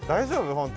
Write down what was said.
本当？